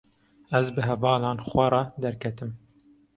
Ez bi hevalan xwe re derketim.